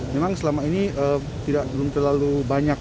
memang selama ini tidak terlalu banyak